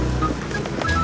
saat neng emphasizes